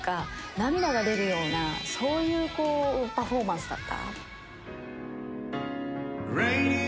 涙が出るようなそういうパフォーマンスだった。